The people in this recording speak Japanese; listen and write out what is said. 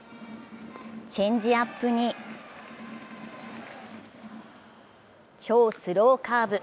チェンジアップに超スローカーブ。